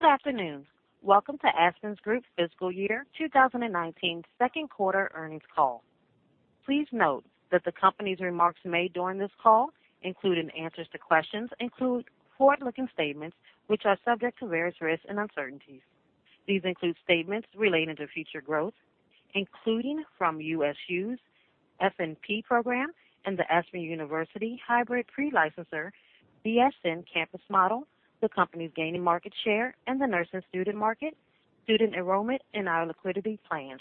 Good afternoon. Welcome to Aspen's Group Fiscal Year 2019 second quarter earnings call. Please note that the company's remarks made during this call, including answers to questions, include forward-looking statements which are subject to various risks and uncertainties. These include statements relating to future growth, including from USU's FNP program and the Aspen University Hybrid Pre-Licensure BSN campus model, the company's gaining market share and the nursing student market, student enrollment, and our liquidity plans.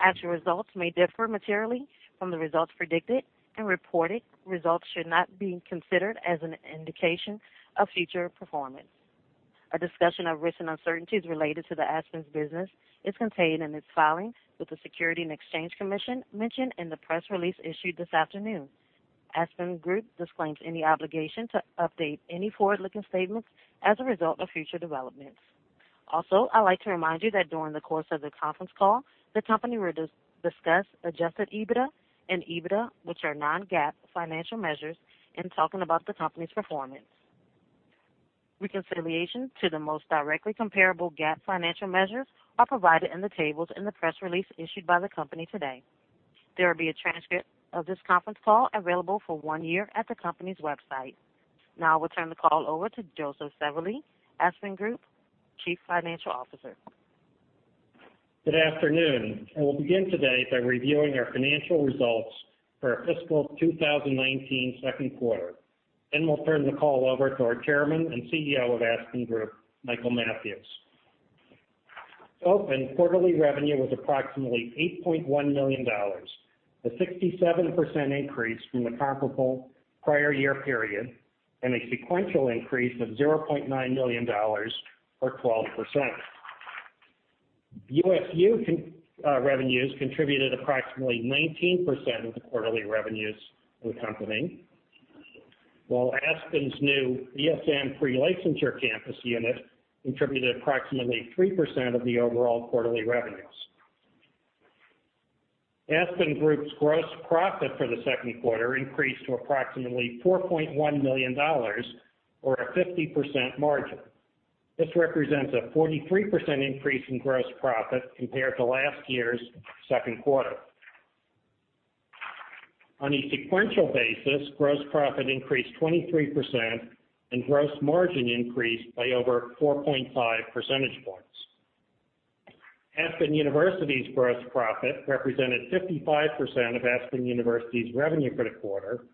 Actual results may differ materially from the results predicted and reported. Results should not be considered as an indication of future performance. A discussion of risks and uncertainties related to the Aspen's business is contained in its filings with the Securities and Exchange Commission mentioned in the press release issued this afternoon. Aspen Group disclaims any obligation to update any forward-looking statements as a result of future developments. I'd like to remind you that during the course of the conference call, the company will discuss adjusted EBITDA and EBITDA, which are non-GAAP financial measures, in talking about the company's performance. Reconciliation to the most directly comparable GAAP financial measures are provided in the tables in the press release issued by the company today. There will be a transcript of this conference call available for one year at the company's website. Now, we'll turn the call over to Joseph Sevely, Aspen Group Chief Financial Officer. Good afternoon. I will begin today by reviewing our financial results for our fiscal 2019 second quarter, then we'll turn the call over to our Chairman and CEO of Aspen Group, Michael Mathews. To open, quarterly revenue was approximately $8.1 million, a 67% increase from the comparable prior year period, and a sequential increase of $0.9 million, or 12%. USU revenues contributed approximately 19% of the quarterly revenues of the company, while Aspen's new BSN pre-licensure campus unit contributed approximately 3% of the overall quarterly revenues. Aspen Group's gross profit for the second quarter increased to approximately $4.1 million, or a 50% margin. This represents a 43% increase in gross profit compared to last year's second quarter. On a sequential basis, gross profit increased 23%, and gross margin increased by over 4.5 percentage points. Aspen University's gross profit represented 55% of Aspen University's revenue for the quarter,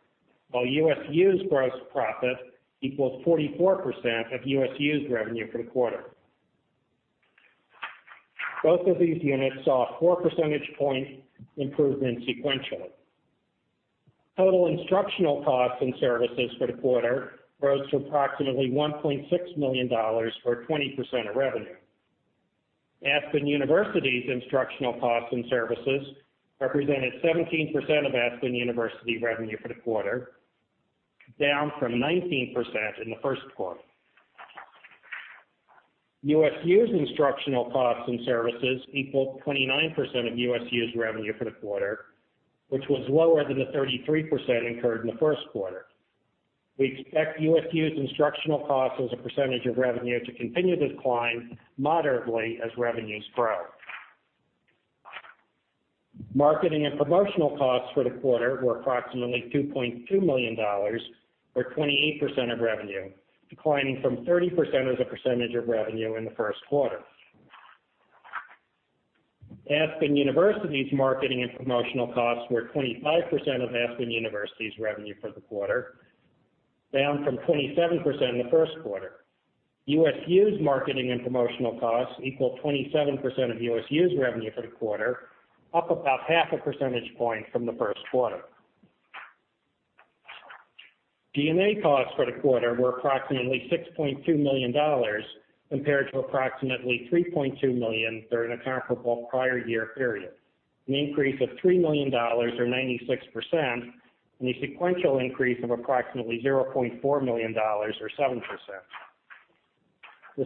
while USU's gross profit equals 44% of USU's revenue for the quarter. Both of these units saw a four percentage point improvement sequentially. Total instructional costs and services for the quarter rose to approximately $1.6 million, or 20% of revenue. Aspen University's instructional costs and services represented 17% of Aspen University revenue for the quarter, down from 19% in the first quarter. USU's instructional costs and services equaled 29% of USU's revenue for the quarter, which was lower than the 33% incurred in the first quarter. We expect USU's instructional cost as a percentage of revenue to continue to decline moderately as revenues grow. Marketing and promotional costs for the quarter were approximately $2.2 million, or 28% of revenue, declining from 30% as a percentage of revenue in the first quarter. Aspen University's marketing and promotional costs were 25% of Aspen University's revenue for the quarter, down from 27% in the first quarter. USU's marketing and promotional costs equaled 27% of USU's revenue for the quarter, up about half a percentage point from the first quarter. G&A costs for the quarter were approximately $6.2 million compared to approximately $3.2 million during the comparable prior year period, an increase of $3 million, or 96%, and a sequential increase of approximately $0.4 million, or 7%. The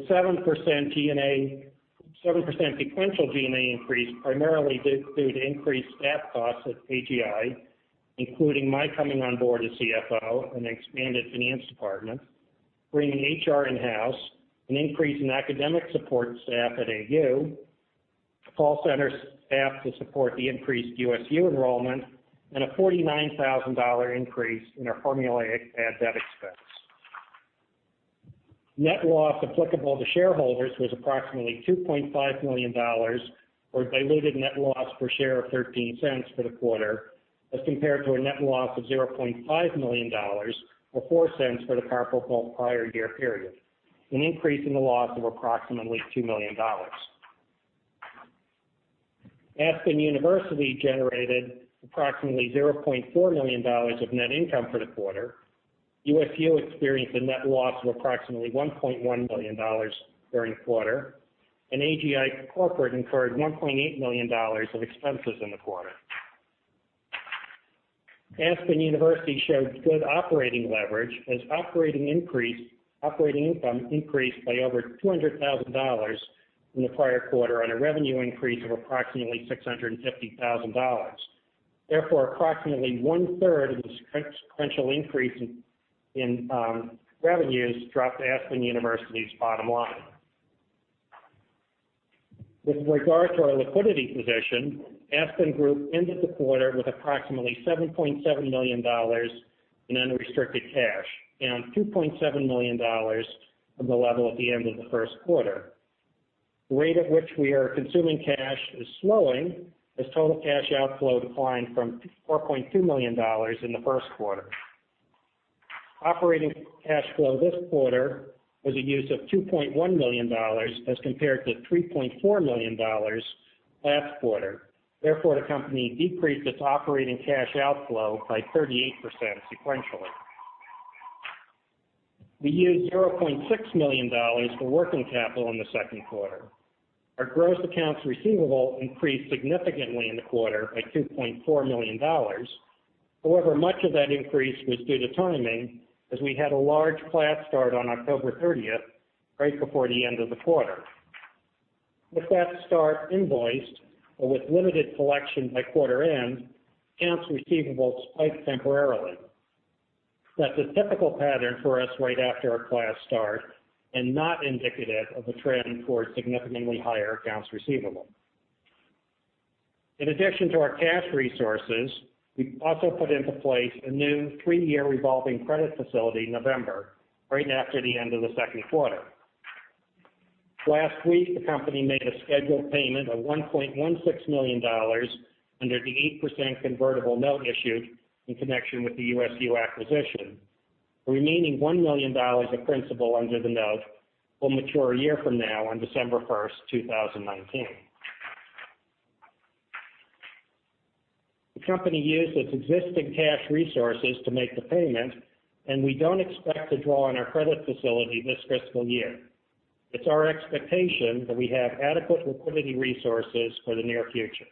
7% sequential G&A increase primarily due to increased staff costs at AGI, including my coming on board as CFO, an expanded finance department, bringing HR in-house, an increase in academic support staff at AU, call center staff to support the increased USU enrollment, and a $49,000 increase in our formulaic bad debts expense. Net loss applicable to shareholders was approximately $2.5 million, or a diluted net loss per share of $0.13 for the quarter as compared to a net loss of $0.5 million, or $0.04 for the comparable prior year period, an increase in the loss of approximately $2 million. Aspen University generated approximately $0.4 million of net income for the quarter. USU experienced a net loss of approximately $1.1 million during the quarter, and AGI Corporate incurred $1.8 million of expenses in the quarter. Aspen University showed good operating leverage as operating income increased by over $200,000 from the prior quarter on a revenue increase of approximately $650,000. Approximately one-third of this sequential increase in revenues dropped Aspen University's bottom line. With regard to our liquidity position, Aspen Group ended the quarter with approximately $7.7 million in unrestricted cash, down $2.7 million from the level at the end of the first quarter. The rate at which we are consuming cash is slowing as total cash outflow declined from $4.2 million in the first quarter. Operating cash flow this quarter was a use of $2.1 million as compared to $3.4 million last quarter. The company decreased its operating cash outflow by 38% sequentially. We used $0.6 million for working capital in the second quarter. Our gross accounts receivable increased significantly in the quarter by $2.4 million. Much of that increase was due to timing, as we had a large class start on October 30th, right before the end of the quarter. With that start invoiced, but with limited collection by quarter end, accounts receivable spiked temporarily. That's a typical pattern for us right after a class start, and not indicative of a trend towards significantly higher accounts receivable. In addition to our cash resources, we also put into place a new three-year revolving credit facility in November, right after the end of the second quarter. Last week, the company made a scheduled payment of $1.16 million under the 8% convertible note issued in connection with the USU acquisition. The remaining $1 million of principal under the note will mature a year from now on December 1st, 2019. The company used its existing cash resources to make the payment, and we don't expect to draw on our credit facility this fiscal year. It's our expectation that we have adequate liquidity resources for the near future.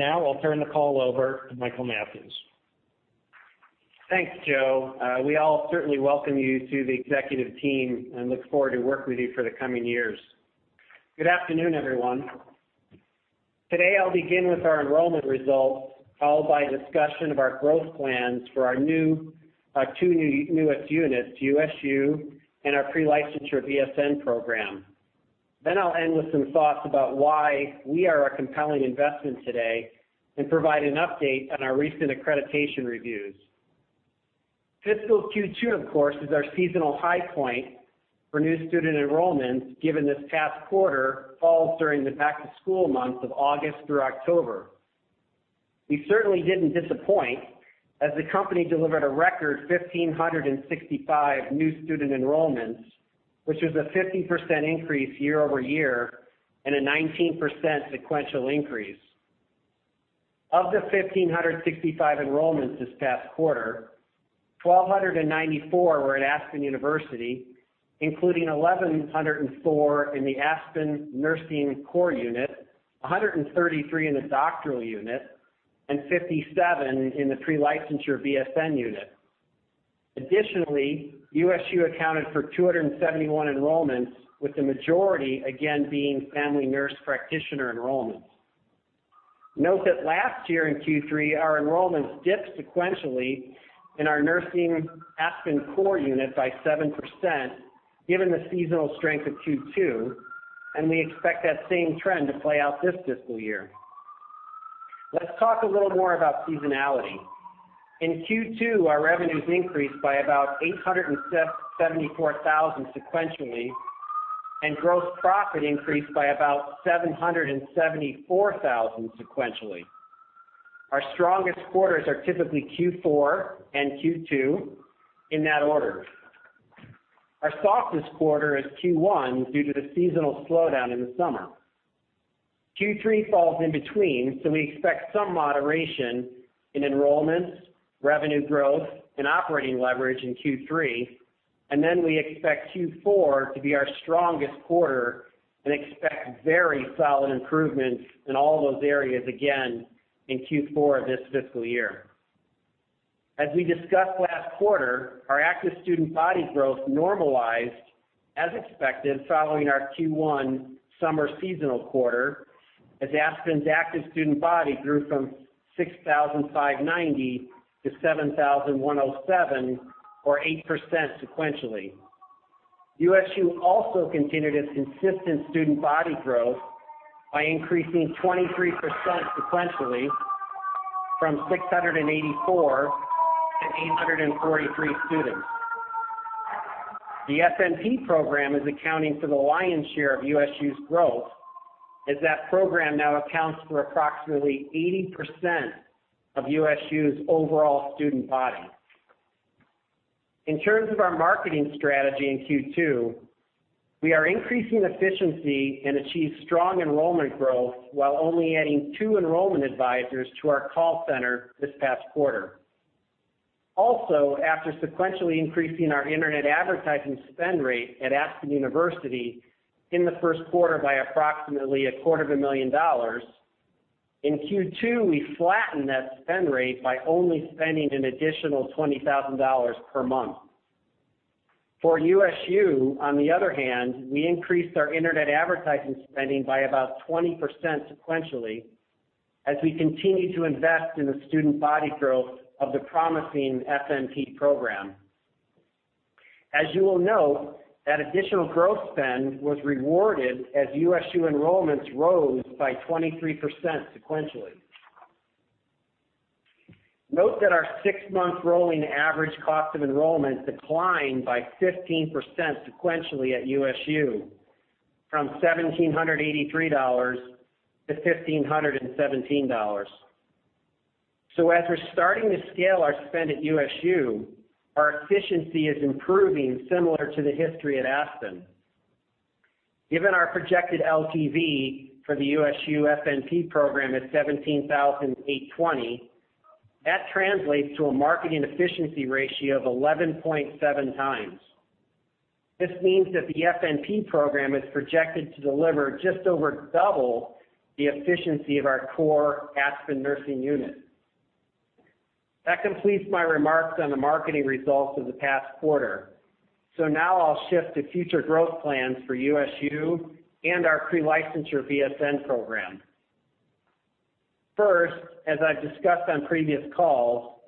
I'll turn the call over to Michael Mathews. Thanks, Joe. We all certainly welcome you to the executive team and look forward to working with you for the coming years. Good afternoon, everyone. Today, I'll begin with our enrollment results, followed by a discussion of our growth plans for our two newest units, USU and our pre-licensure BSN program. I'll end with some thoughts about why we are a compelling investment today and provide an update on our recent accreditation reviews. Fiscal Q2, of course, is our seasonal high point for new student enrollments, given this past quarter falls during the back-to-school months of August through October. We certainly didn't disappoint, as the company delivered a record 1,565 new student enrollments, which was a 50% increase year-over-year, and a 19% sequential increase. Of the 1,565 enrollments this past quarter, 1,294 were at Aspen University, including 1,104 in the Aspen Nursing Core unit, 133 in the Doctoral unit, and 57 in the Pre-licensure BSN unit. Additionally, USU accounted for 271 enrollments, with the majority, again, being family nurse practitioner enrollments. Note that last year in Q3, our enrollments dipped sequentially in our nursing Aspen Core unit by 7%, given the seasonal strength of Q2, and we expect that same trend to play out this fiscal year. Let's talk a little more about seasonality. In Q2, our revenues increased by about $874,000 sequentially, and gross profit increased by about $774,000 sequentially. Our strongest quarters are typically Q4 and Q2, in that order. Our softest quarter is Q1 due to the seasonal slowdown in the summer. Q3 falls in between. We expect some moderation in enrollments, revenue growth, and operating leverage in Q3. We expect Q4 to be our strongest quarter and expect very solid improvements in all those areas again in Q4 of this fiscal year. We discussed last quarter, our active student body growth normalized as expected following our Q1 summer seasonal quarter, as Aspen's active student body grew from 6,590 - 7,107, or 8% sequentially. USU also continued its consistent student body growth by increasing 23% sequentially from 684 - 843 students. The FNP program is accounting for the lion's share of USU's growth, as that program now accounts for approximately 80% of USU's overall student body. In terms of our marketing strategy in Q2, we are increasing efficiency and achieved strong enrollment growth while only adding two enrollment advisors to our call center this past quarter. After sequentially increasing our internet advertising spend rate at Aspen University in the first quarter by approximately a quarter of a million dollars, in Q2, we flattened that spend rate by only spending an additional $20,000 per month. For USU, on the other hand, we increased our internet advertising spending by about 20% sequentially as we continue to invest in the student body growth of the promising FNP program. You will note, that additional growth spend was rewarded as USU enrollments rose by 23% sequentially. Our six-month rolling average cost of enrollment declined by 15% sequentially at USU, from $1,783 - $1,517. As we're starting to scale our spend at USU, our efficiency is improving similar to the history at Aspen. Given our projected LTV for the USU FNP program is $17,820, that translates to a marketing efficiency ratio of 11.7x. This means that the FNP program is projected to deliver just over double the efficiency of our core Aspen Nursing unit. That completes my remarks on the marketing results of the past quarter. Now I'll shift to future growth plans for USU and our pre-licensure BSN program. First, as I've discussed on previous calls,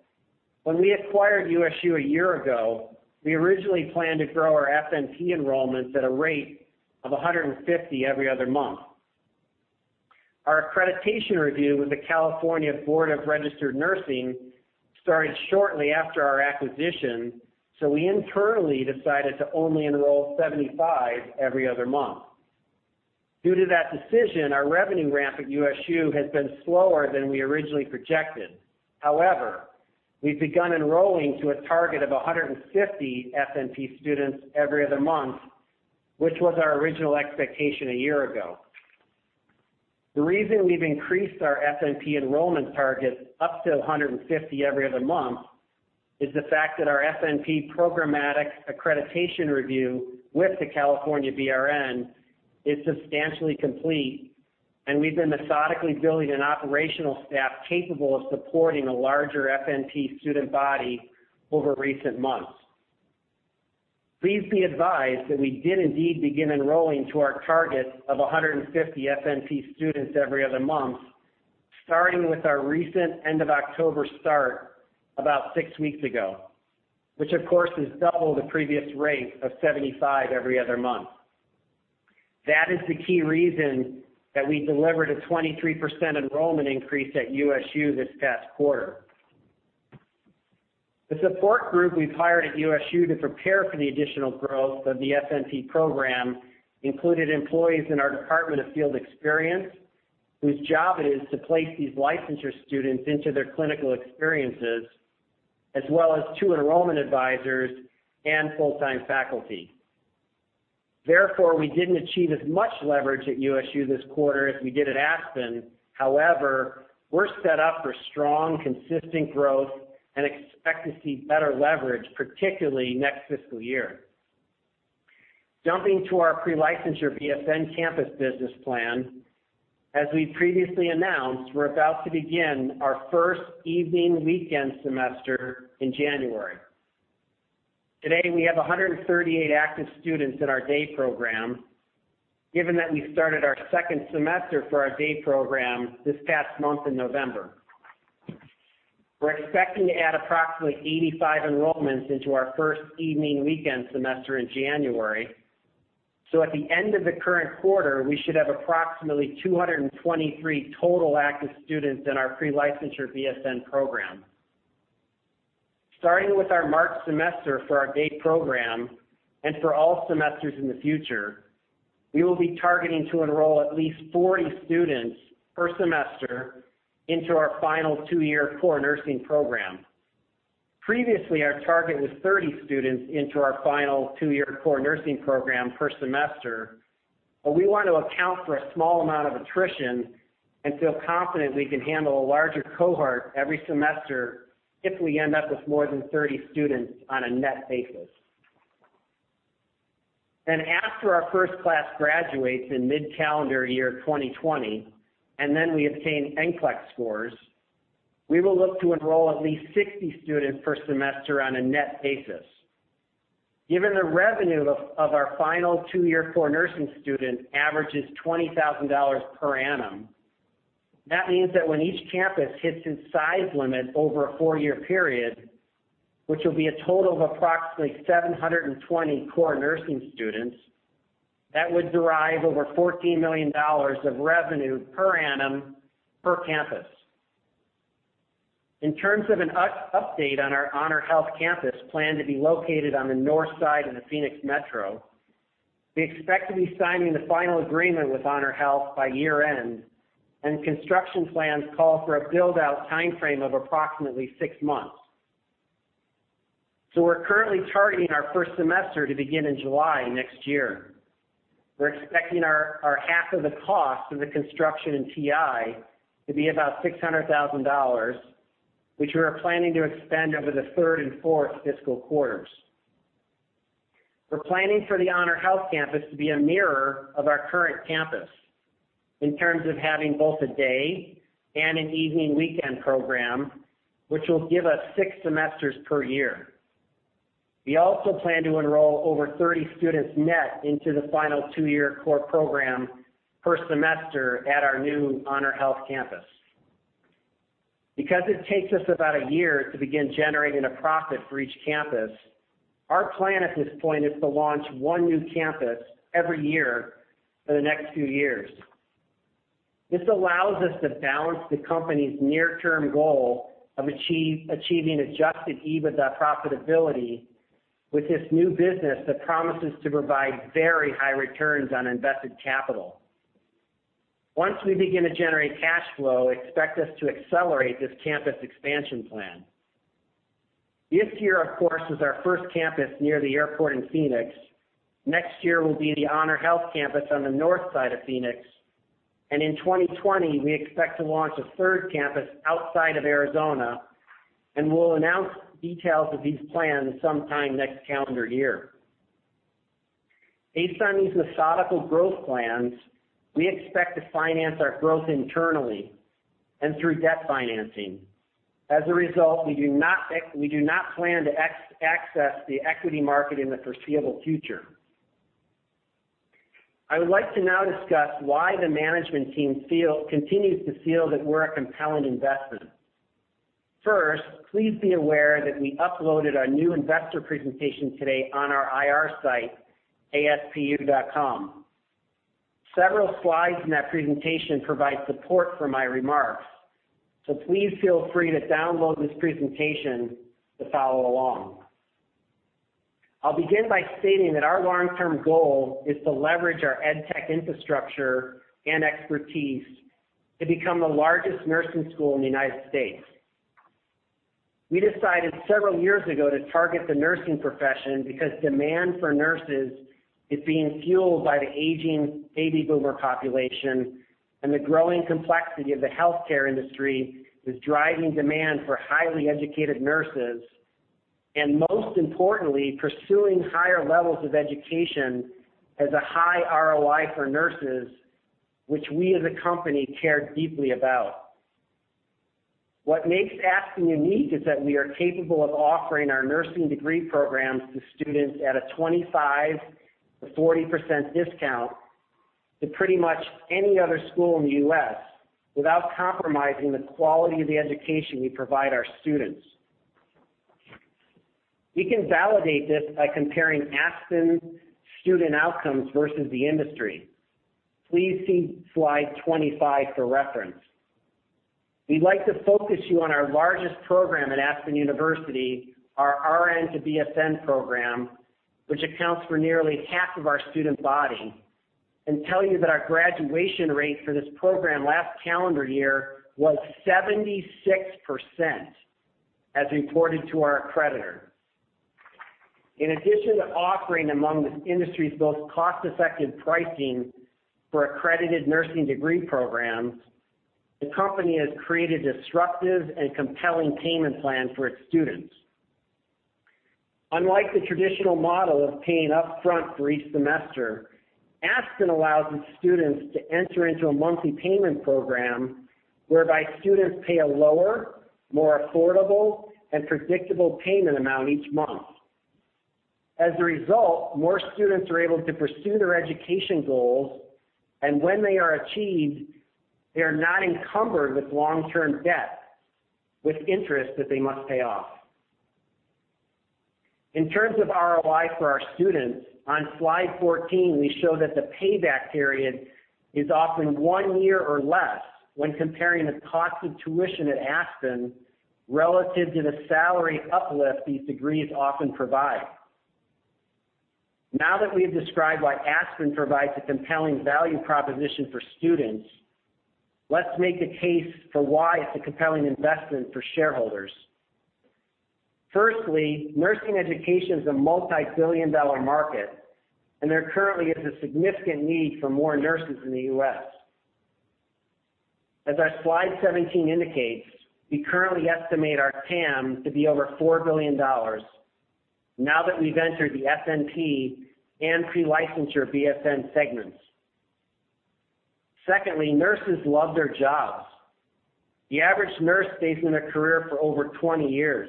when we acquired USU a year ago, we originally planned to grow our FNP enrollments at a rate of 150 every other month. Our accreditation review with the California Board of Registered Nursing started shortly after our acquisition, we internally decided to only enroll 75 every other month. Due to that decision, our revenue ramp at USU has been slower than we originally projected. However, we've begun enrolling to a target of 150 FNP students every other month, which was our original expectation a year ago. The reason we've increased our FNP enrollment target up to 150 every other month is the fact that our FNP programmatic accreditation review with the California BRN is substantially complete, and we've been methodically building an operational staff capable of supporting a larger FNP student body over recent months. Please be advised that we did indeed begin enrolling to our target of 150 FNP students every other month, starting with our recent end of October start about six weeks ago, which of course, is double the previous rate of 75 every other month. That is the key reason that we delivered a 23% enrollment increase at USU this past quarter. The support group we've hired at USU to prepare for the additional growth of the FNP program included employees in our Department of Field Experience, whose job it is to place these licensure students into their clinical experiences, as well as two enrollment advisors and full-time faculty. Therefore, we didn't achieve as much leverage at USU this quarter as we did at Aspen. However, we're set up for strong, consistent growth and expect to see better leverage, particularly next fiscal year. Jumping to our pre-licensure BSN campus business plan, as we previously announced, we're about to begin our first evening weekend semester in January. To date, we have 138 active students in our day program, given that we started our second semester for our day program this past month in November. We're expecting to add approximately 85 enrollments into our first evening weekend semester in January. At the end of the current quarter, we should have approximately 223 total active students in our pre-licensure BSN program. Starting with our March semester for our day program and for all semesters in the future, we will be targeting to enroll at least 40 students per semester into our final two-year core nursing program. Previously, our target was 30 students into our final two-year core nursing program per semester, but we want to account for a small amount of attrition and feel confident we can handle a larger cohort every semester if we end up with more than 30 students on a net basis. After our first class graduates in mid-calendar year 2020, and then we obtain NCLEX scores, we will look to enroll at least 60 students per semester on a net basis. Given the revenue of our final two-year core nursing student averages $20,000 per annum, that means that when each campus hits its size limit over a four-year period, which will be a total of approximately 720 core nursing students, that would derive over $14 million of revenue per annum per campus. In terms of an update on our HonorHealth campus plan to be located on the north side of the Phoenix Metro, we expect to be signing the final agreement with HonorHealth by year-end, and construction plans call for a build-out timeframe of approximately six months. We're currently targeting our first semester to begin in July next year. We're expecting our half of the cost of the construction and TI to be about $600,000, which we are planning to expend over the third and fourth fiscal quarters. We're planning for the HonorHealth campus to be a mirror of our current campus. In terms of having both a day and an evening weekend program, which will give us six semesters per year. We also plan to enroll over 30 students net into the final two year core program per semester at our new HonorHealth campus. Because it takes us about a year to begin generating a profit for each campus, our plan at this point is to launch one new campus every year for the next few years. This allows us to balance the company's near-term goal of achieving adjusted EBITDA profitability with this new business that promises to provide very high returns on invested capital. Once we begin to generate cash flow, expect us to accelerate this campus expansion plan. This year, of course, is our first campus near the airport in Phoenix. Next year will be the HonorHealth campus on the north side of Phoenix. In 2020, we expect to launch a third campus outside of Arizona, and we'll announce details of these plans sometime next calendar year. Based on these methodical growth plans, we expect to finance our growth internally and through debt financing. As a result, we do not plan to access the equity market in the foreseeable future. I would like to now discuss why the management team continues to feel that we're a compelling investment. First, please be aware that we uploaded our new investor presentation today on our IR site, aspu.com. Several slides in that presentation provide support for my remarks, so please feel free to download this presentation to follow along. I'll begin by stating that our long-term goal is to leverage our ed tech infrastructure and expertise to become the largest nursing school in the U.S. We decided several years ago to target the nursing profession because demand for nurses is being fueled by the aging baby boomer population, the growing complexity of the healthcare industry is driving demand for highly educated nurses, and most importantly, pursuing higher levels of education has a high ROI for nurses, which we as a company care deeply about. What makes Aspen unique is that we are capable of offering our nursing degree programs to students at a 25%-40% discount to pretty much any other school in the U.S. without compromising the quality of the education we provide our students. We can validate this by comparing Aspen student outcomes versus the industry. Please see slide 25 for reference. We'd like to focus you on our largest program at Aspen University, our RN to BSN program, which accounts for nearly half of our student body, and tell you that our graduation rate for this program last calendar year was 76%, as reported to our accreditor. In addition to offering among the industry's most cost-effective pricing for accredited nursing degree programs, the company has created a disruptive and compelling payment plan for its students. Unlike the traditional model of paying upfront for each semester, Aspen allows its students to enter into a monthly payment program whereby students pay a lower, more affordable, and predictable payment amount each month. As a result, more students are able to pursue their education goals, and when they are achieved, they are not encumbered with long-term debt with interest that they must pay off. In terms of ROI for our students, on slide 14, we show that the payback period is often one year or less when comparing the cost of tuition at Aspen relative to the salary uplift these degrees often provide. Now that we have described why Aspen provides a compelling value proposition for students, let's make the case for why it's a compelling investment for shareholders. Firstly, nursing education is a multi-billion dollar market, and there currently is a significant need for more nurses in the U.S. As our slide 17 indicates, we currently estimate our TAM to be over $4 billion now that we've entered the FNP and pre-licensure BSN segments. Secondly, nurses love their jobs. The average nurse stays in a career for over 20 years.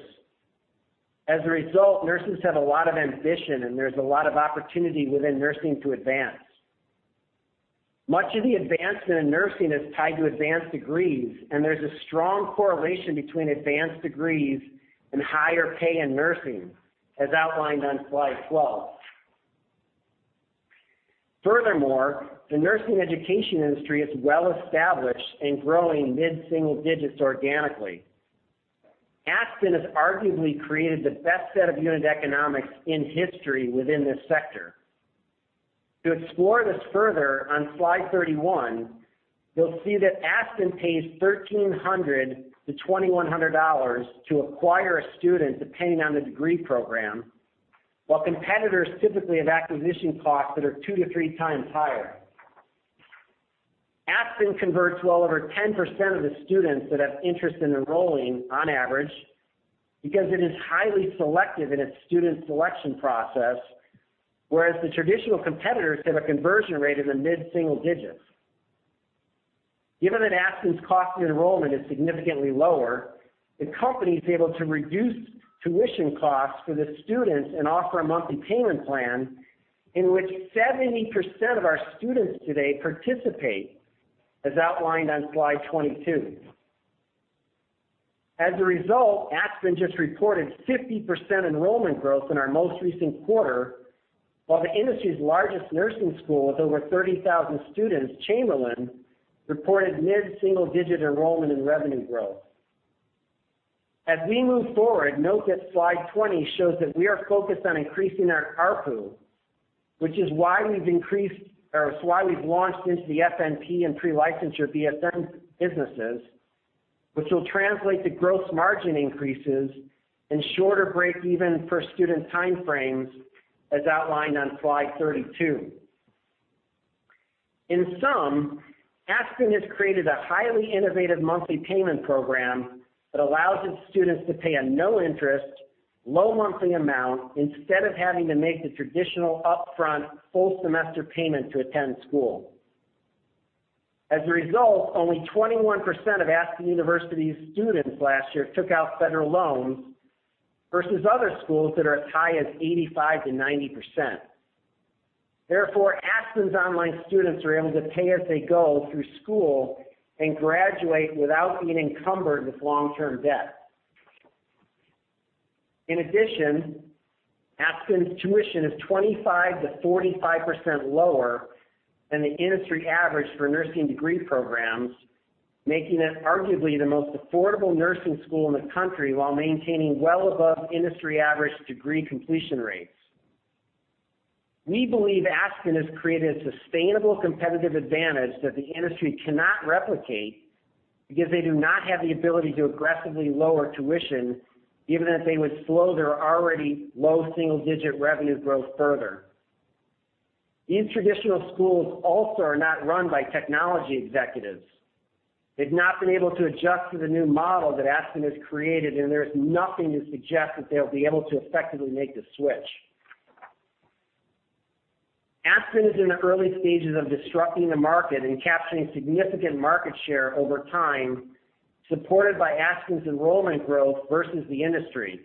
As a result, nurses have a lot of ambition, and there's a lot of opportunity within nursing to advance. Much of the advancement in nursing is tied to advanced degrees, there's a strong correlation between advanced degrees and higher pay in nursing, as outlined on slide 12. Furthermore, the nursing education industry is well established and growing mid-single digits organically. Aspen has arguably created the best set of unit economics in history within this sector. To explore this further, on slide 31, you'll see that Aspen pays $1,300 -$2,100 to acquire a student, depending on the degree program, while competitors typically have acquisition costs that are two to three times higher. Aspen converts well over 10% of the students that have interest in enrolling on average. Because it is highly selective in its student selection process, whereas the traditional competitors have a conversion rate in the mid-single digits. Given that Aspen's cost of enrollment is significantly lower, the company is able to reduce tuition costs for the students and offer a monthly payment plan, in which 70% of our students today participate, as outlined on slide 22. As a result, Aspen just reported 50% enrollment growth in our most recent quarter, while the industry's largest nursing school, with over 30,000 students, Chamberlain, reported mid-single digit enrollment and revenue growth. We move forward, note that slide 20 shows that we are focused on increasing our ARPU, which is why we've launched into the FNP and pre-licensure BSN businesses, which will translate to gross margin increases and shorter break-even per student time frames, as outlined on slide 32. In sum, Aspen has created a highly innovative monthly payment program that allows its students to pay a no interest, low monthly amount instead of having to make the traditional upfront full semester payment to attend school. As a result, only 21% of Aspen University's students last year took out federal loans versus other schools that are as high as 85%-90%. Therefore, Aspen's online students are able to pay as they go through school and graduate without being encumbered with long-term debt. In addition, Aspen's tuition is 25%-45% lower than the industry average for nursing degree programs, making it arguably the most affordable nursing school in the country, while maintaining well above industry average degree completion rates. We believe Aspen has created a sustainable competitive advantage that the industry cannot replicate, because they do not have the ability to aggressively lower tuition, even if they would slow their already low single digit revenue growth further. These traditional schools also are not run by technology executives. They've not been able to adjust to the new model that Aspen has created, and there is nothing to suggest that they'll be able to effectively make the switch. Aspen is in the early stages of disrupting the market and capturing significant market share over time, supported by Aspen's enrollment growth versus the industry.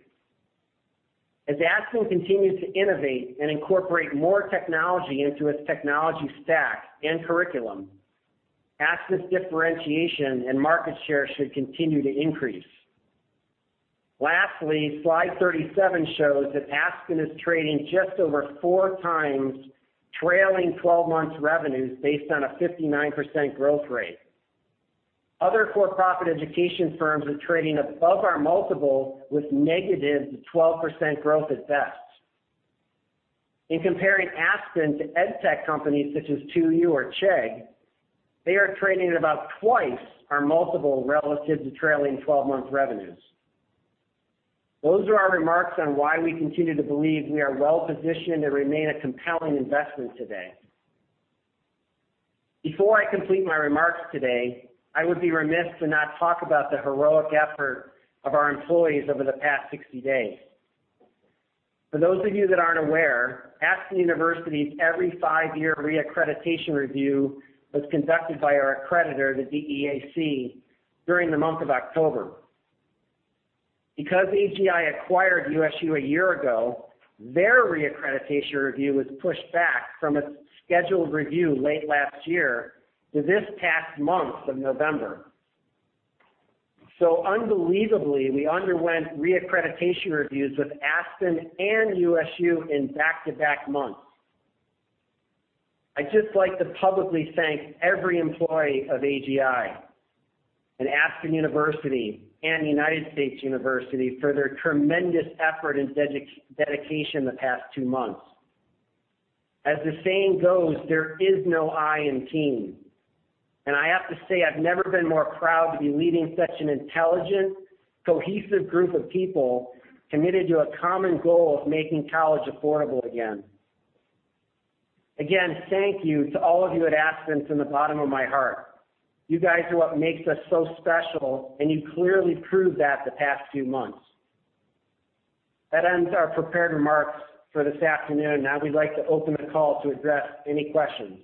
As Aspen continues to innovate and incorporate more technology into its technology stack and curriculum, Aspen's differentiation and market share should continue to increase. Lastly, slide 37 shows that Aspen is trading just over 4x trailing 12 months revenues based on a 59% growth rate. Other for-profit education firms are trading above our multiple with negative-12% growth at best. In comparing Aspen to ed tech companies such as 2U or Chegg, they are trading at about twice our multiple relative to trailing 12-month revenues. Those are our remarks on why we continue to believe we are well-positioned and remain a compelling investment today. Before I complete my remarks today, I would be remiss to not talk about the heroic effort of our employees over the past 60 days. For those of you that aren't aware, Aspen University's every five-year reaccreditation review was conducted by our accreditor, the DEAC, during the month of October. Because AGI acquired USU a year ago, their reaccreditation review was pushed back from its scheduled review late last year to this past month of November. Unbelievably, we underwent reaccreditation reviews with Aspen and USU in back-to-back months. I'd just like to publicly thank every employee of AGI and Aspen University and United States University for their tremendous effort and dedication the past two months. As the saying goes, there is no I in team, and I have to say I've never been more proud to be leading such an intelligent, cohesive group of people committed to a common goal of making college affordable again. Again, thank you to all of you at Aspen from the bottom of my heart. You guys are what makes us so special, and you clearly proved that the past few months. That ends our prepared remarks for this afternoon. Now we'd like to open the call to address any questions.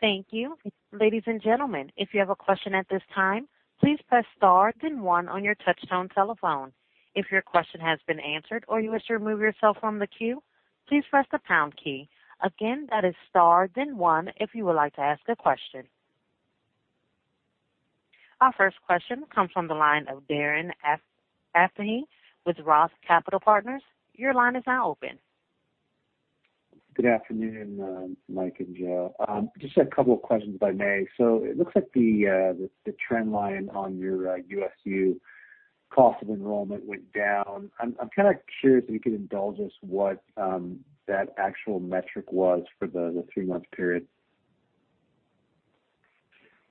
Thank you. Ladies and gentlemen, if you have a question at this time, please press star then one on your touch tone telephone. If your question has been answered or you wish to remove yourself from the queue, please press the pound key. Again, that is star then one if you would like to ask a question. Our first question comes from the line of Darren Aftahi with Roth Capital Partners. Your line is now open. Good afternoon, Mike and Joe. Just a couple of questions if I may. It looks like the trend line on your USU cost of enrollment went down. I'm curious if you could indulge us what that actual metric was for the three-month period.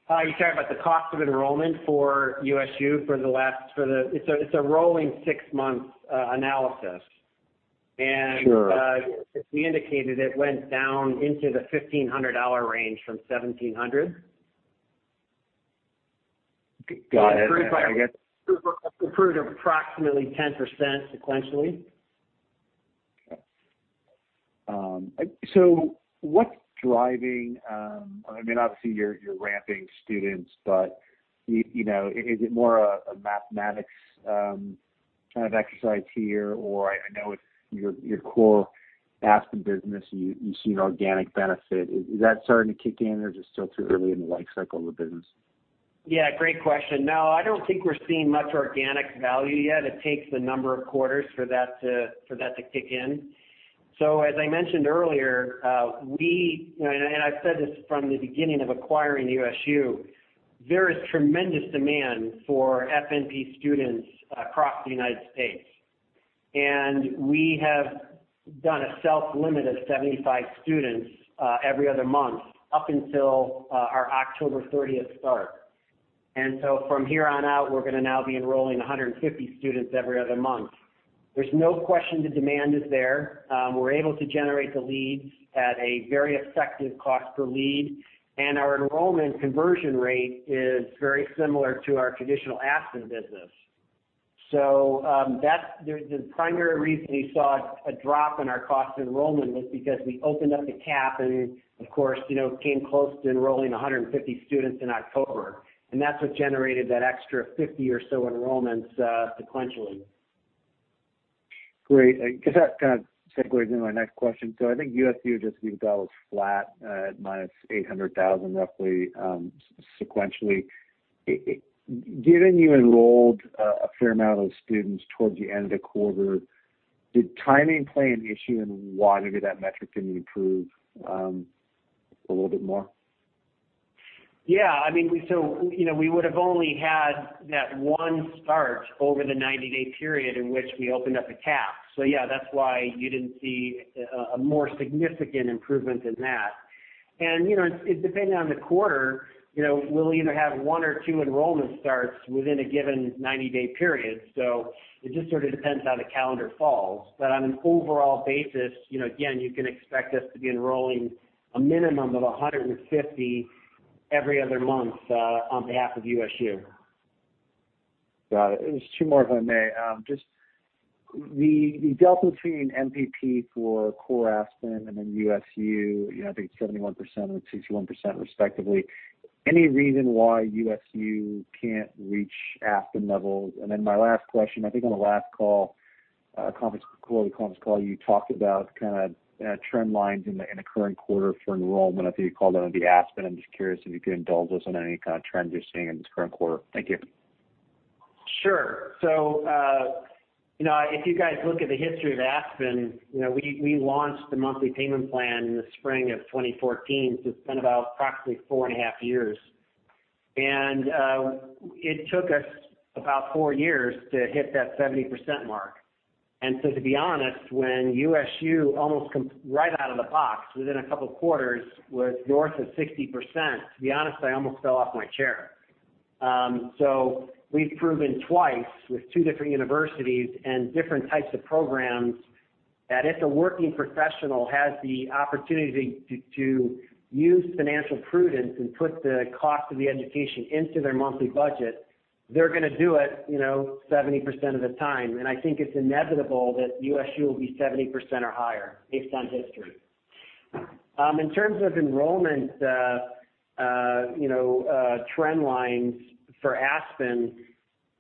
You're talking about the cost of enrollment for USU. It's a rolling six-month analysis. Sure. As we indicated, it went down into the $1,500 range from $1,700. Got it. Improved approximately 10% sequentially. Okay. What's driving Obviously, you're ramping students, but is it more a mathematics kind of exercise here? I know with your core Aspen business, you've seen organic benefit. Is that starting to kick in, or is it still too early in the life cycle of the business? Yeah, great question. No, I don't think we're seeing much organic value yet. It takes a number of quarters for that to kick in. As I mentioned earlier, and I've said this from the beginning of acquiring USU, there is tremendous demand for FNP students across the United States. We have done a self-limit of 75 students every other month, up until our October 30th start. From here on out, we're going to now be enrolling 150 students every other month. There's no question the demand is there. We're able to generate the leads at a very effective cost per lead, and our enrollment conversion rate is very similar to our traditional Aspen business. The primary reason you saw a drop in our cost enrollment was because we opened up the cap and, of course, came close to enrolling 150 students in October, and that's what generated that extra 50 or so enrollments sequentially. Great. I guess that kind of segues into my next question. I think USU just developed flat at -$800,000, roughly, sequentially. Given you enrolled a fair amount of students towards the end of the quarter, did timing play an issue in why that metric didn't improve a little bit more? Yeah. We would've only had that one start over the 90-day period in which we opened up the cap. Yeah, that's why you didn't see a more significant improvement than that. Depending on the quarter, we'll either have one or two enrollment starts within a given 90-day period. It just sort of depends how the calendar falls. On an overall basis, again, you can expect us to be enrolling a minimum of 150 every other month on behalf of USU. Got it. Just two more, if I may. Just the delta between MPP for core Aspen and then USU, I think 71% and 61% respectively. Any reason why USU can't reach Aspen levels? My last question, I think on the last call, quarterly conference call, you talked about trend lines in the current quarter for enrollment. I think you called out the Aspen. I'm just curious if you could indulge us on any kind of trends you're seeing in this current quarter. Thank you. Sure. If you guys look at the history of Aspen, we launched the monthly payment plan in the spring of 2014. It's been about approximately four and a half years. It took us about four years to hit that 70% mark. To be honest, when USU almost right out of the box, within a couple quarters, was north of 60%, to be honest, I almost fell off my chair. We've proven twice with two different universities and different types of programs, that if a working professional has the opportunity to use financial prudence and put the cost of the education into their monthly budget, they're going to do it 70% of the time. I think it's inevitable that USU will be 70% or higher based on history. In terms of enrollment trend lines for Aspen,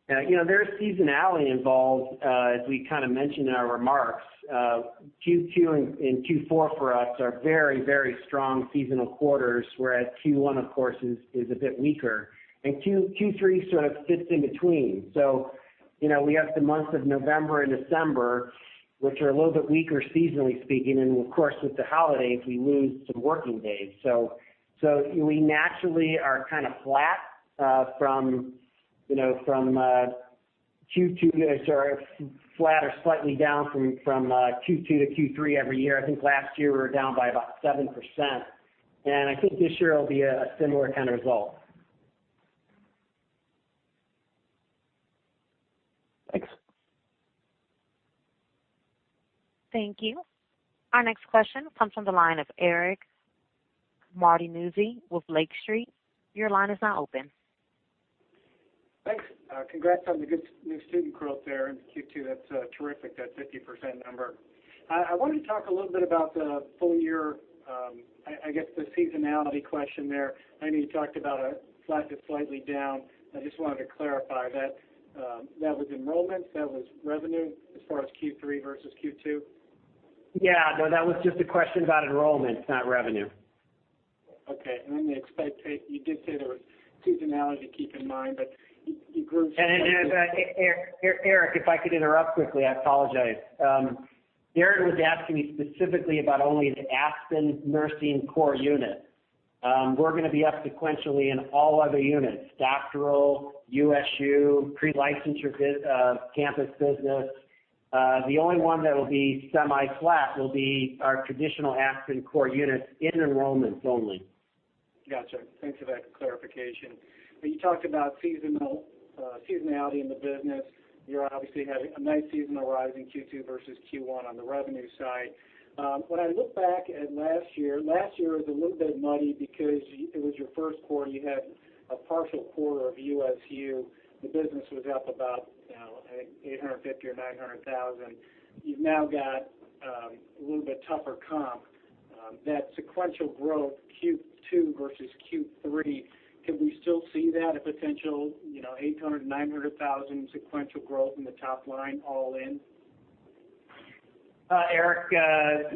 there is seasonality involved, as we kind of mentioned in our remarks. Q2 and Q4 for us are very strong seasonal quarters, whereas Q1, of course, is a bit weaker. Q3 sort of fits in between. We have the months of November and December, which are a little bit weaker seasonally speaking, and of course, with the holidays, we lose some working days. We naturally are flat or slightly down from Q2 to Q3 every year. I think last year we were down by about 7%, I think this year it'll be a similar kind of result. Thanks. Thank you. Our next question comes from the line of Eric Martinuzzi with Lake Street. Your line is now open. Thanks. Congrats on the good new student growth there in Q2. That's terrific, that 50% number. I wanted to talk a little bit about the full year, I guess the seasonality question there. I know you talked about a flat to slightly down. I just wanted to clarify, that was enrollments, that was revenue as far as Q3 versus Q2? Yeah. No, that was just a question about enrollment, not revenue. The expectation, you did say there was seasonality to keep in mind, but you grew- Eric, if I could interrupt quickly, I apologize. Eric was asking me specifically about only the Aspen Nursing core unit. We're going to be up sequentially in all other units, doctoral, USU, pre-licensure campus business. The only one that will be semi-flat will be our traditional Aspen core units in enrollments only. Got you. Thanks for that clarification. You talked about seasonality in the business. You're obviously having a nice seasonal rise in Q2 versus Q1 on the revenue side. When I look back at last year, last year was a little bit muddy because it was your first quarter. You had a partial quarter of USU. The business was up about $850,000 or $900,000. You've now got a little bit tougher comp. That sequential growth, Q2 versus Q3, can we still see that, a potential $800,000, $900,000 sequential growth in the top line, all in? Eric,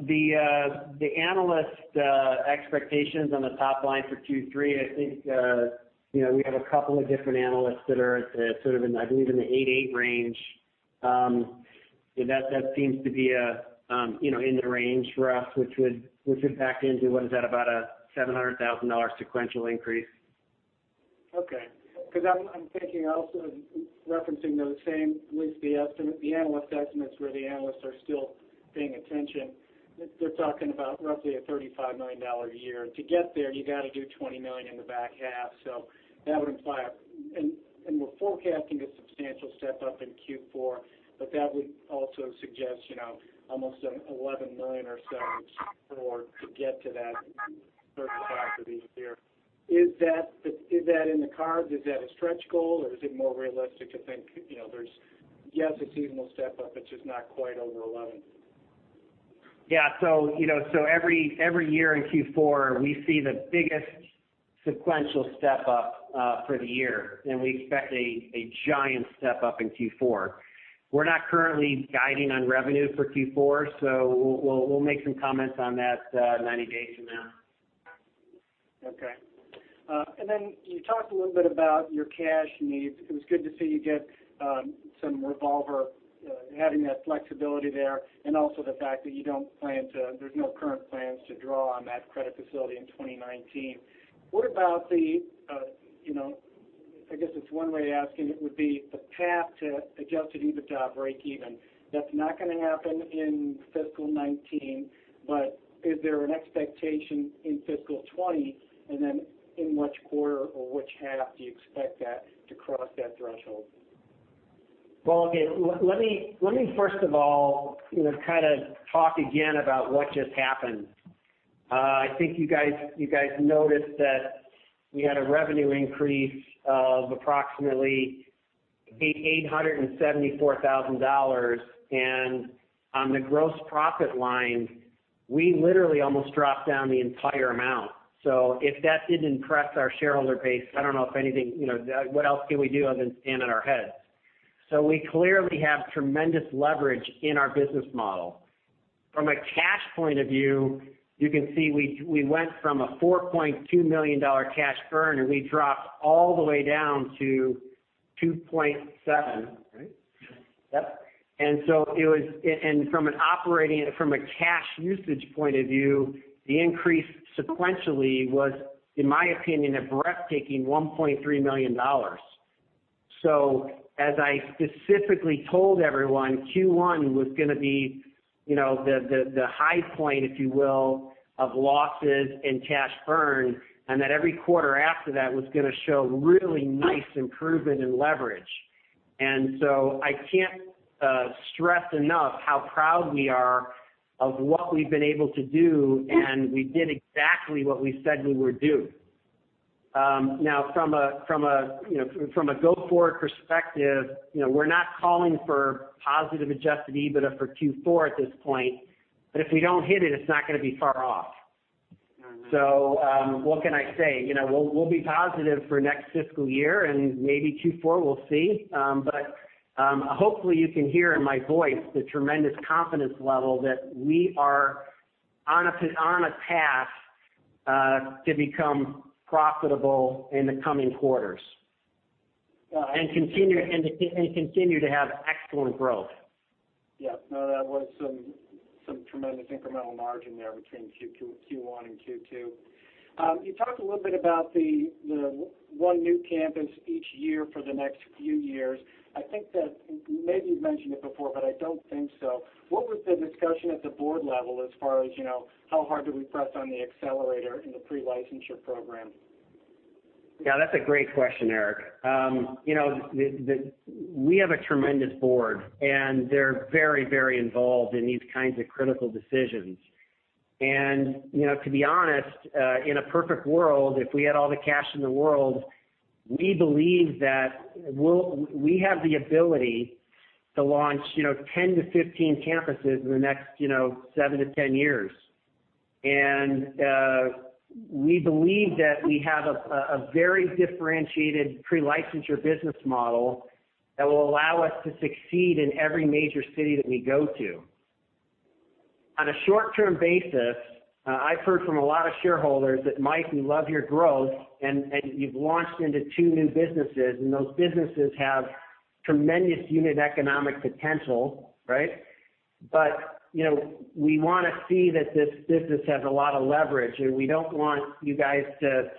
the analyst expectations on the top line for Q3, I think, we have a couple of different analysts that are sort of in, I believe, in the eight eight range. That seems to be in the range for us, which would factor into, what is that? About a $700,000 sequential increase. Okay. I'm thinking also, referencing those same, at least the analyst estimates, where the analysts are still paying attention. They're talking about roughly a $35 million a year. To get there, you've got to do $20 million in the back half. That would imply, and we're forecasting a substantial step-up in Q4, that would also suggest almost an $11 million or so to get to that $35 million for the year. Is that in the cards? Is that a stretch goal, or is it more realistic to think there's, yes, a seasonal step-up, it's just not quite over $11 million? Yeah. Every year in Q4, we see the biggest sequential step-up for the year, and we expect a giant step-up in Q4. We're not currently guiding on revenue for Q4, we'll make some comments on that 90 days from now. Okay. You talked a little bit about your cash needs. It was good to see you get some revolver, having that flexibility there, and also the fact that there's no current plans to draw on that credit facility in 2019. What about the, I guess it's one way of asking it, would be the path to adjusted EBITDA breakeven. That's not going to happen in fiscal 2019, is there an expectation in fiscal 2020? And then in which quarter or which half do you expect that to cross that threshold? Let me first of all talk again about what just happened. I think you guys noticed that we had a revenue increase of approximately $874,000. On the gross profit line, we literally almost dropped down the entire amount. If that didn't impress our shareholder base, I don't know if anything, what else can we do other than stand on our heads? We clearly have tremendous leverage in our business model. From a cash point of view, you can see we went from a $4.2 million cash burn, and we dropped all the way down to $2.7 million, right? Yep. From a cash usage point of view, the increase sequentially was, in my opinion, a breathtaking $1.3 million. As I specifically told everyone, Q1 was going to be the high point, if you will, of losses and cash burn, and that every quarter after that was going to show really nice improvement in leverage. I can't stress enough how proud we are of what we've been able to do, and we did exactly what we said we would do. Now from a go-forward perspective, we're not calling for positive adjusted EBITDA for Q4 at this point, but if we don't hit it's not going to be far off. All right. What can I say? We'll be positive for next fiscal year and maybe Q4, we'll see. Hopefully you can hear in my voice the tremendous confidence level that we are on a path to become profitable in the coming quarters and continue to have excellent growth. Yeah. No, that was some tremendous incremental margin there between Q1 and Q2. You talked a little bit about the one new campus each year for the next few years. I think that maybe you've mentioned it before, but I don't think so. What was the discussion at the board level as far as, how hard do we press on the accelerator in the pre-licensure program? Yeah, that's a great question, Eric. We have a tremendous board, and they're very involved in these kinds of critical decisions. To be honest, in a perfect world, if we had all the cash in the world, we believe that we have the ability to launch 10-15 campuses in the next seven to 10 years. We believe that we have a very differentiated pre-licensure business model that will allow us to succeed in every major city that we go to. On a short-term basis, I've heard from a lot of shareholders that, "Mike, we love your growth, and you've launched into two new businesses, and those businesses have tremendous unit economic potential," right? We want to see that this business has a lot of leverage, and we don't want you guys to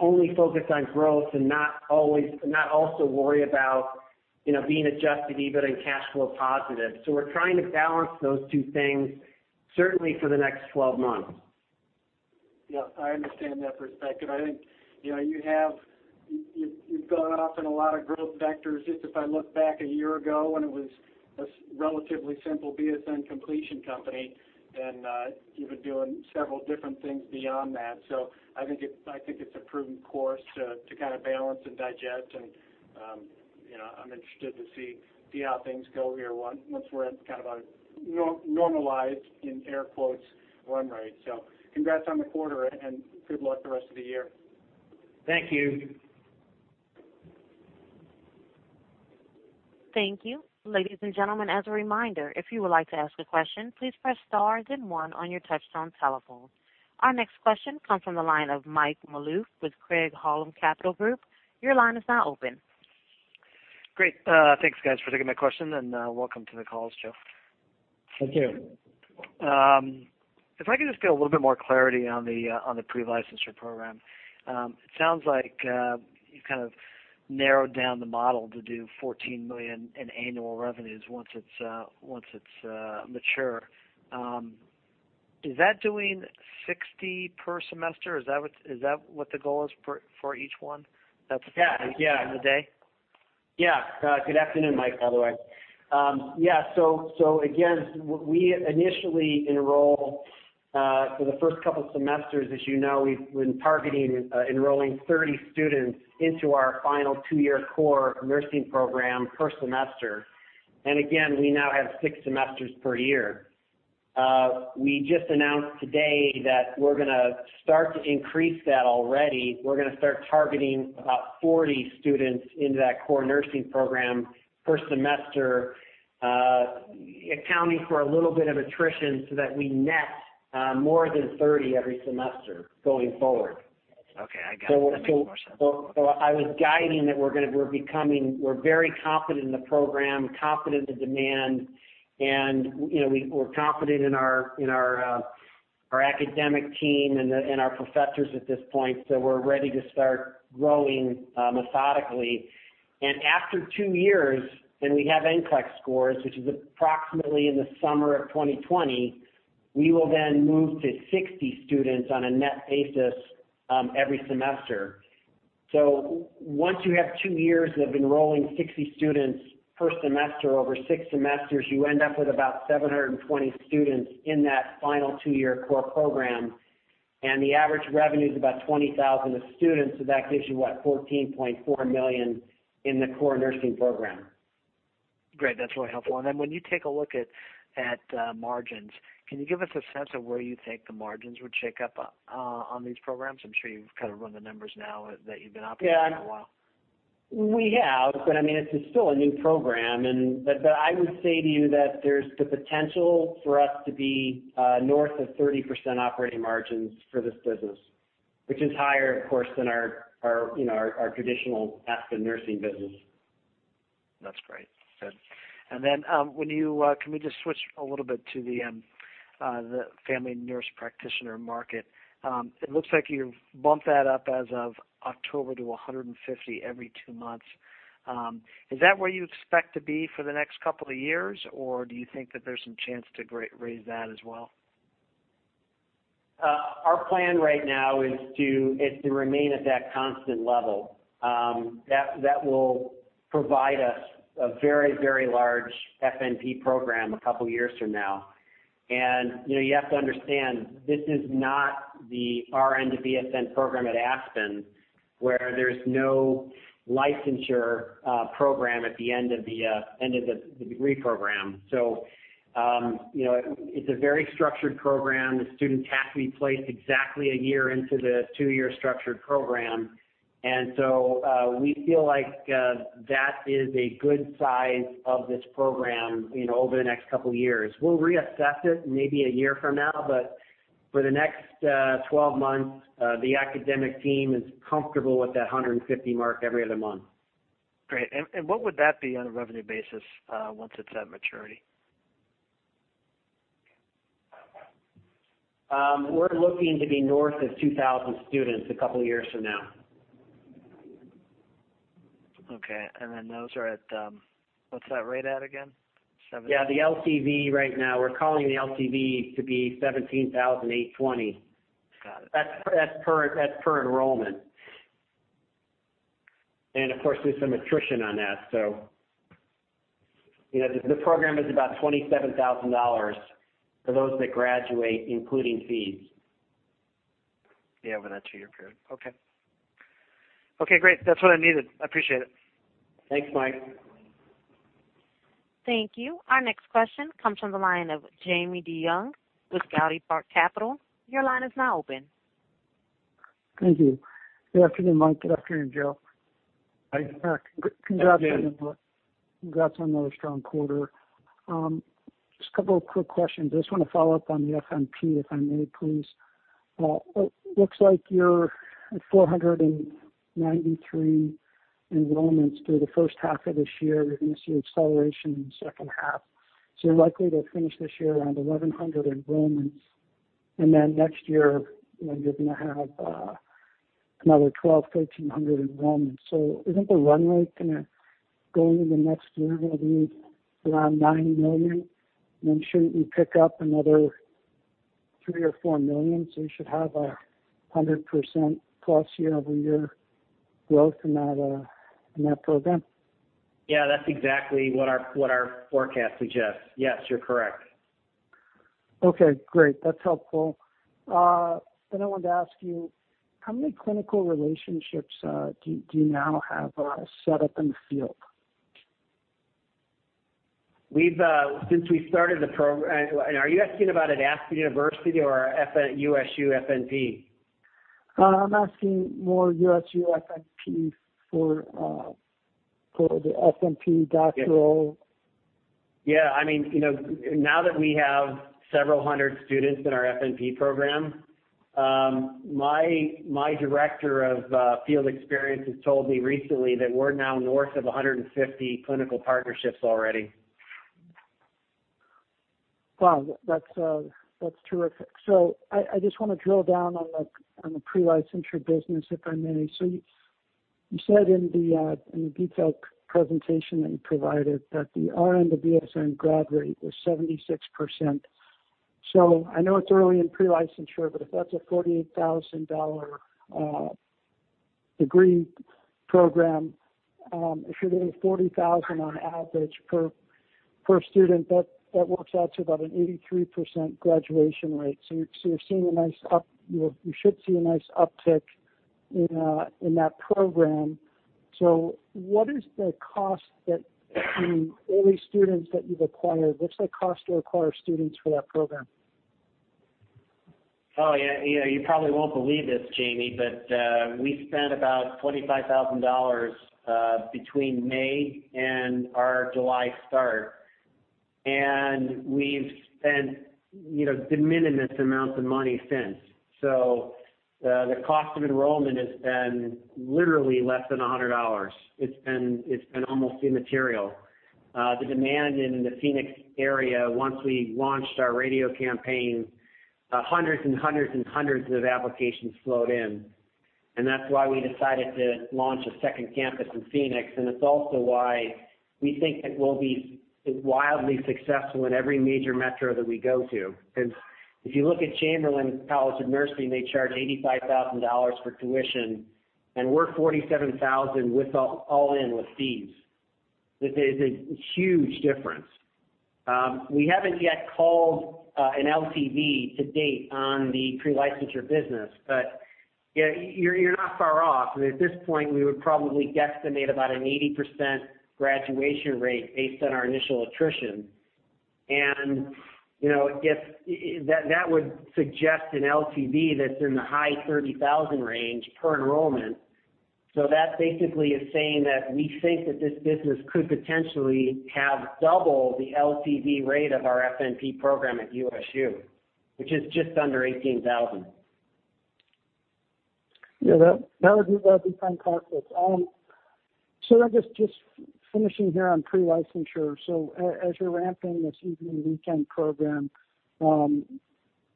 only focus on growth and not also worry about being adjusted EBITDA and cash flow positive." We're trying to balance those two things, certainly for the next 12 months. Yeah, I understand that perspective. I think you've gone off in a lot of growth vectors. Just if I look back a year ago, when it was a relatively simple BSN completion company, you've been doing several different things beyond that. I think it's a prudent course to kind of balance and digest, and I'm interested to see how things go here once we're at kind of a "normalized" run rate. Congrats on the quarter, and good luck the rest of the year. Thank you. Thank you. Ladies and gentlemen, as a reminder, if you would like to ask a question, please press star then one on your touchtone telephone. Our next question comes from the line of Mike Malouf with Craig-Hallum Capital Group. Your line is now open. Great. Thanks, guys, for taking my question, and welcome to the calls, Joe. Thank you. If I could just get a little bit more clarity on the pre-licensure program. It sounds like you've kind of narrowed down the model to do $14 million in annual revenues once it's mature. Is that doing 60 per semester? Is that what the goal is for each one that's- Yeah. -in the day? Yeah. Good afternoon, Mike, by the way. Again, we initially enroll for the first couple of semesters. As you know, we've been targeting enrolling 30 students into our final two-year core nursing program per semester. Again, we now have six semesters per year. We just announced today that we're going to start to increase that already. We're going to start targeting about 40 students into that core nursing program per semester, accounting for a little bit of attrition so that we net more than 30 every semester going forward. Okay, I got it. That makes more sense. I was guiding that we're very confident in the program, confident in the demand, and we're confident in our academic team and our professors at this point. We're ready to start growing methodically. After two years, when we have NCLEX scores, which is approximately in the summer of 2020, we will then move to 60 students on a net basis every semester. Once you have two years of enrolling 60 students per semester over six semesters, you end up with about 720 students in that final two-year core program, and the average revenue is about $20,000 a student, that gives you, what, $14.4 million in the core nursing program. Great. That's really helpful. Then when you take a look at margins, can you give us a sense of where you think the margins would shake up on these programs? I'm sure you've kind of run the numbers now that you've been operating for a while. Yeah. We have, it's still a new program. I would say to you that there's the potential for us to be north of 30% operating margins for this business, which is higher, of course, than our traditional Aspen Nursing business. That's great. Good. Then can we just switch a little bit to the family nurse practitioner market? It looks like you've bumped that up as of October to 150 every two months. Is that where you expect to be for the next couple of years, or do you think that there's some chance to raise that as well? Our plan right now is to remain at that constant level. That will provide us a very large FNP program a couple of years from now. You have to understand, this is not the RN to BSN program at Aspen, where there's no licensure program at the end of the degree program. It's a very structured program. The students have to be placed exactly a year into the two-year structured program. We feel like that is a good size of this program over the next couple of years. We'll reassess it maybe a year from now, but for the next 12 months, the academic team is comfortable with that 150 mark every other month. Great. What would that be on a revenue basis once it's at maturity? We're looking to be north of 2,000 students a couple of years from now. Okay. Those are at, what's that rate at again? Yeah, the LTV right now, we're calling the LTV to be $17,820. Got it. That's per enrollment. Of course, there's some attrition on that. The program is about $27,000 for those that graduate, including fees. Yeah, over that two-year period. Okay. Okay, great. That's what I needed. I appreciate it. Thanks, Mike. Thank you. Our next question comes from the line of James DeYoung with Goudy Park Capital. Your line is now open. Thank you. Good afternoon, Mike. Good afternoon, Joe. Hi. Congrats on another strong quarter. Just a couple of quick questions. I just want to follow up on the FNP, if I may, please. It looks like your 493 enrollments through the first half of this year, we're going to see acceleration in the second half. You're likely to finish this year around 1,100 enrollments. Next year, you're going to have Another 12, 1,300 enrollment. Isn't the run rate going to, going into next year, going to be around $9 million? Shouldn't you pick up another $3 million or $4 million? You should have 100% plus year-over-year growth in that program. Yeah, that's exactly what our forecast suggests. Yes, you're correct. Okay, great. That's helpful. I wanted to ask you, how many clinical relationships do you now have set up in the field? Since we started the program. Are you asking about at Aspen University or USU FNP? I'm asking more USU FNP for the FNP doctoral. Now that we have several hundred students in our FNP program, my director of field experience has told me recently that we're now north of 150 clinical partnerships already. Wow. That's terrific. I just want to drill down on the pre-licensure business, if I may. You said in the detailed presentation that you provided that the RN to BSN grad rate was 76%. I know it's early in pre-licensure, but if that's a $48,000 degree program, if you're doing $40,000 on average per student, that works out to about an 83% graduation rate. You should see a nice uptick in that program. What is the cost between all these students that you've acquired? What's the cost to acquire students for that program? You probably won't believe this, Jamie, but we spent about $25,000 between May and our July start. We've spent de minimis amounts of money since. The cost of enrollment has been literally less than $100. It's been almost immaterial. The demand in the Phoenix area, once we launched our radio campaign, hundreds and hundreds of applications flowed in. That's why we decided to launch a second campus in Phoenix. It's also why we think that we'll be wildly successful in every major metro that we go to. Because if you look at Chamberlain College of Nursing, they charge $85,000 for tuition, and we're $47,000 all-in with fees. There's a huge difference. We haven't yet called an LTV to date on the pre-licensure business, but you're not far off. At this point, we would probably guesstimate about an 80% graduation rate based on our initial attrition. That would suggest an LTV that's in the high $30,000 range per enrollment. That basically is saying that we think that this business could potentially have double the LTV rate of our FNP program at USU, which is just under $18,000. That would be fantastic. I'm just finishing here on pre-licensure. As you're ramping this evening weekend program, call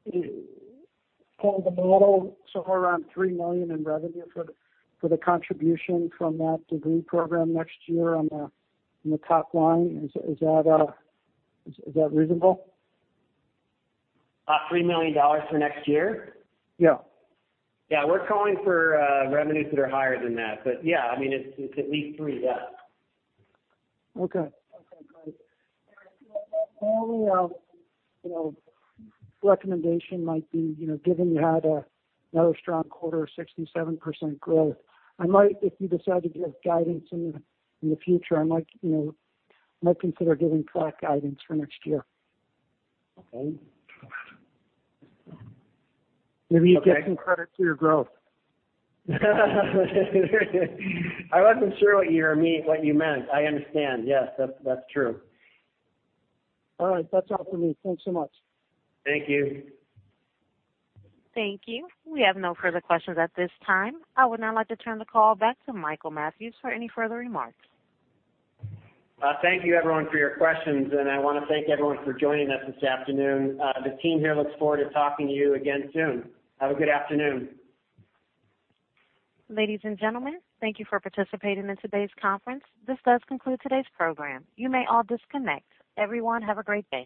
it a model somewhere around $3 million in revenue for the contribution from that degree program next year on the top line. Is that reasonable? $3 million for next year? Yeah. We're calling for revenues that are higher than that. Yeah, it's at least three, yeah. Okay, great. My only recommendation might be, given you had another strong quarter, 67% growth, if you decide to give guidance in the future, I might consider giving track guidance for next year. Okay. Maybe you get some credit for your growth. I wasn't sure what you meant. I understand. Yes, that's true. All right. That's all for me. Thanks so much. Thank you. Thank you. We have no further questions at this time. I would now like to turn the call back to Michael Mathews for any further remarks. Thank you, everyone, for your questions. I want to thank everyone for joining us this afternoon. The team here looks forward to talking to you again soon. Have a good afternoon. Ladies and gentlemen, thank you for participating in today's conference. This does conclude today's program. You may all disconnect. Everyone, have a great day.